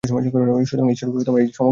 সুতরাং ঈশ্বর এই সমগ্র জগৎ হইয়াছেন।